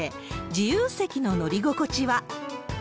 自由席の乗り心地は。